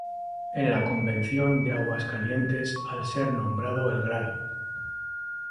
En la Convención de Aguascalientes al ser nombrado el Gral.